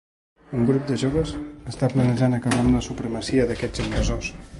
Un grup de joves està planejant acabar amb la supremacia d’aquests invasors.